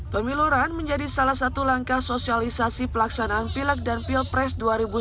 pemiluran menjadi salah satu langkah sosialisasi pelaksanaan pilak dan pilpres dua ribu sembilan belas